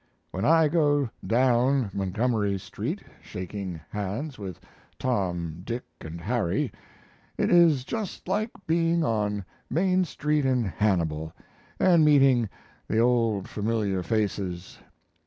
When I go down Montgomery Street shaking hands with Tom, Dick, and Harry, it is just like being on Main Street in Hannibal and meeting the old familiar faces.